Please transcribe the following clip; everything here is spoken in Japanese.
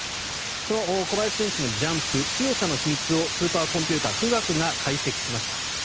その小林選手のジャンプ強さの秘密をスーパーコンピューター、富岳が解析しました。